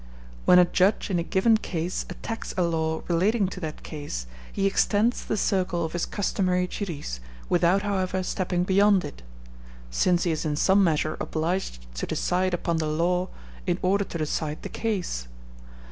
When a judge in a given case attacks a law relating to that case, he extends the circle of his customary duties, without however stepping beyond it; since he is in some measure obliged to decide upon the law in order to decide the case.